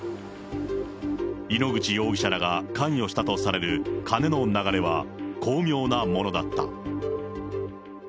井ノ口容疑者らが関与したとされる金の流れは巧妙なものだった。